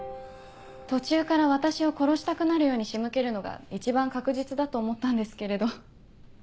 途中から私を殺したくなるように仕向けるのが一番確実だと思ったんですけれど。